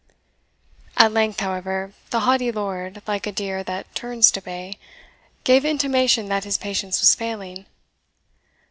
At length, however, the haughty lord, like a deer that turns to bay, gave intimation that his patience was failing.